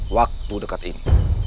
waktu dekat ini